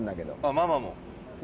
ママも。